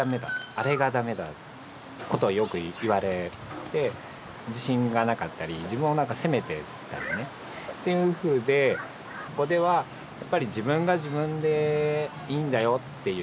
「あれが駄目だ」ことをよく言われて自信がなかったり自分を何か責めてたりねっていうふうでここではやっぱり「自分が自分でいいんだよ」っていう。